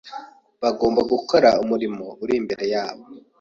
Bagomba gukora umurimo uri imbere yabo